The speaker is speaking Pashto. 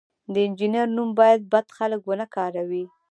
د انجینر نوم باید بد خلک ونه کاروي.